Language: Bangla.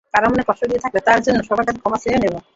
কারও মনে কষ্ট দিয়ে থাকলে তার জন্য সবার কাছে ক্ষমা চেয়ে নেন।